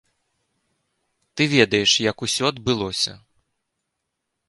Ты ведаеш, як усё адбылося.